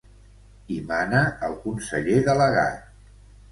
Hi mana el conseller delegat.